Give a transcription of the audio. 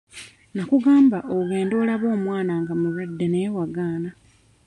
Nnakugamba ogende olabe omwana nga mulwadde naye wagaana.